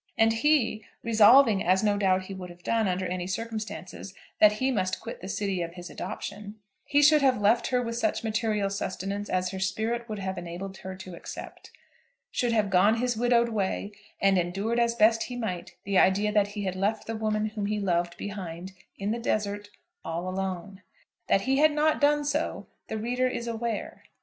And he, resolving, as no doubt he would have done under any circumstances, that he must quit the city of his adoption, he should have left her with such material sustenance as her spirit would have enabled her to accept, should have gone his widowed way, and endured as best he might the idea that he had left the woman whom he loved behind, in the desert, all alone! That he had not done so the reader is aware.